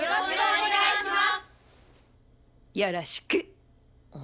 お願いします。